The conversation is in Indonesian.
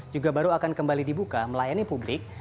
juga baru akan kembali dibuka melayani publik